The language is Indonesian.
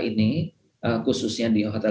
ini khususnya di hotel